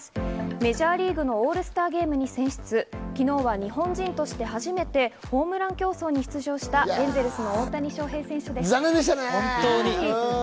メジャーリーグのオールスターゲームに選出、昨日は日本人としてホームラン競争に出場したエンゼルスの大谷翔平選手。